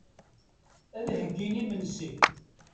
Ad d-heyyin imensi.